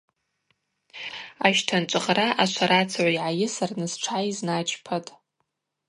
Ащтанчӏв гъра ашварацыгӏв йгӏайысырныс тшгӏайызначпатӏ.